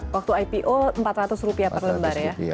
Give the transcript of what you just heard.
waktu ipo rp empat ratus per lembar ya